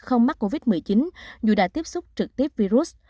không mắc covid một mươi chín dù đã tiếp xúc trực tiếp virus